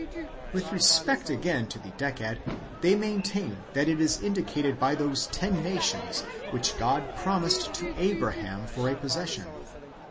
With respect, again, to the Decad, they maintain that it is indicated by those ten nations which God promised to Abraham for a possession.